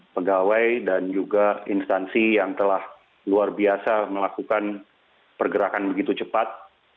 pegawai dan juga instansi yang telah luar biasa melakukan pergerakan begitu cepat